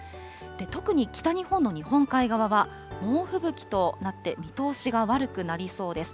特に北日本の日本海側は、猛吹雪となって、見通しが悪くなりそうです。